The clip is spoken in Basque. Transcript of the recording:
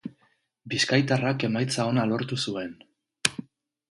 Bizkaitarrak emaitza ona lortu zuen.